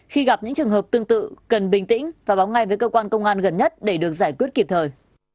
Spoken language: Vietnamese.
khi gặp những trường hợp tương tự cần bình tĩnh và báo ngay với cơ quan công an gần nhất để được giải quyết kịp thời